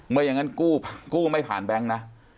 ไม่อย่างนั้นกู้ไม่ผ่านแบงค์นะ